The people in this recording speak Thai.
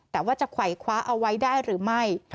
แต่ว่าจะไขวคว้าเอาไว้ได้หรือไม่